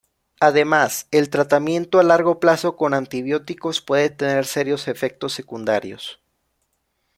Además, el tratamiento a largo plazo con antibióticos puede tener serios efectos secundarios.